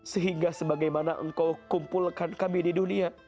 sehingga sebagaimana engkau kumpulkan kami di dunia